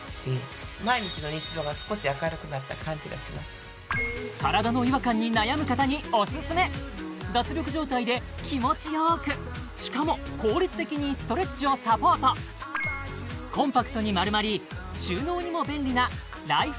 毎日の体の違和感に悩む方にオススメ脱力状態で気持ちよくしかも効率的にストレッチをサポートコンパクトに丸まり収納にも便利なライフ